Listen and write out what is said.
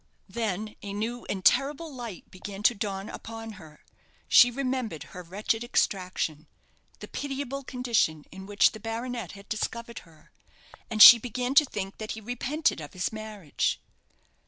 Then a new and terrible light began to dawn upon her. She remembered her wretched extraction the pitiable condition in which the baronet had discovered her, and she began to think that he repented of his marriage.